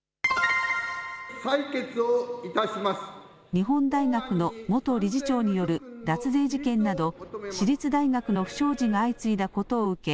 日本大学の元理事長による脱税事件など私立大学の不祥事が相次いだことを受け